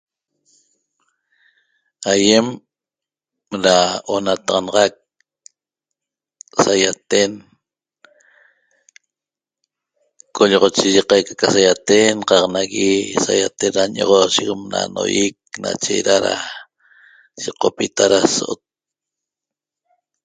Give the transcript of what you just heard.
Aiem ra onataxanaxac saiaten qolloxochiye qaica ca saiaten qaq nagui saiaten ra ñoxosheguem na noiec nache ra ra seqopita ra so'ot